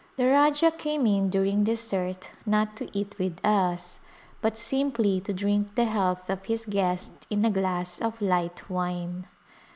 The Rajah came in during dessert, not to eat with us, but simply to drink the health of his guest in a glass of light wine.